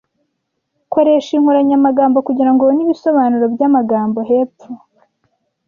Koresha inkoranyamagambo kugirango ubone ibisobanuro byamagambo hepfo.